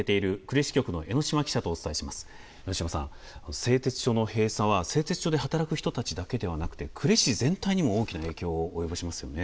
製鉄所の閉鎖は製鉄所で働く人たちだけではなくて呉市全体にも大きな影響を及ぼしますよね。